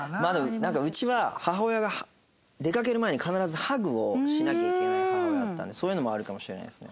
なんかうちは母親が出かける前に必ずハグをしなきゃいけない母親だったのでそういうのもあるかもしれないですね。